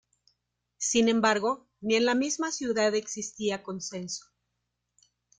Sin embargo, ni en la misma ciudad existía consenso.